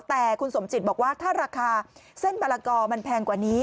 แต่คุณสมจิตบอกว่าถ้าราคาเส้นมะละกอมันแพงกว่านี้